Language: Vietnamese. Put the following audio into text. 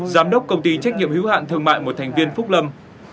giám đốc công ty trách nhiệm hữu hạn thương mại một thành viên phúc lâm